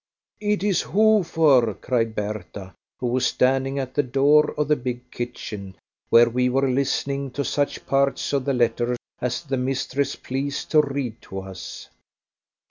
"It is Hofer," cried Bertha, who was standing at the door of the big kitchen, where we were listening to such parts of the letter as the mistress pleased to read to us.